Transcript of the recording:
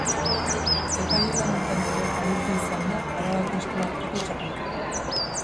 Epaile lanetan ere aritu izan da Arabako Eskolarteko Txapelketan.